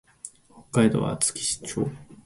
北海道厚岸町